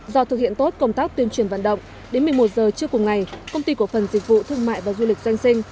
do thực hiện tốt công tác tuyên truyền vận động đến một mươi một giờ trưa cùng ngày công ty cổ phần dịch vụ thương mại và du lịch doanh sinh